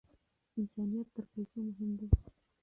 انسانیت تر پیسو مهم دی.